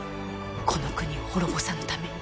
この国を滅ぼさぬために。